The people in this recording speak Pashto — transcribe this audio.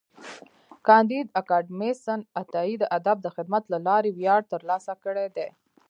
کانديد اکاډميسن عطایي د ادب د خدمت له لارې ویاړ ترلاسه کړی دی.